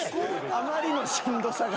あまりのしんどさが。